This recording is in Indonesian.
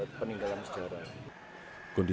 kondisi peninggalan sejarah ini